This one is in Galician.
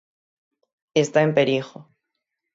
Está en perigo.